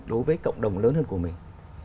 đối với cộng đồng lớn hơn của mình